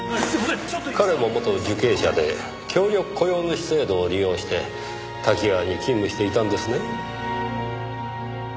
彼も元受刑者で協力雇用主制度を利用してタキガワに勤務していたんですね？